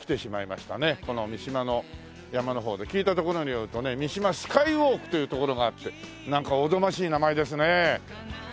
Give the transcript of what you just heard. この三島の山の方で聞いたところによるとね三島スカイウォークという所があってなんかおぞましい名前ですね。